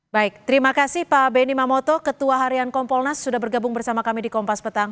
baik terima kasih pak benny mamoto ketua harian kompolnas sudah bergabung bersama kami di kompas petang